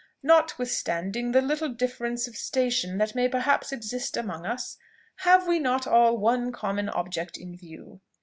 Notwithstanding the little differences of station that may perhaps exist among us, have we not all one common object in view?